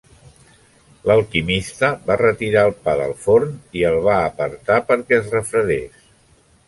L'alquimista va retirar el pa del forn i el va apartar perquè es refredés.